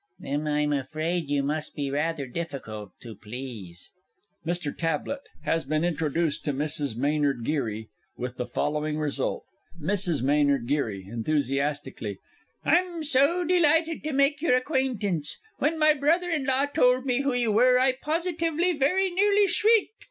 Then I'm afraid you must be rather difficult to please. MR. TABLETT has been introduced to MRS. MAYNARD GERY with the following result. MRS. M. G. I'm so delighted to make your acquaintance. When my brother in law told me who you were, I positively very nearly shrieked.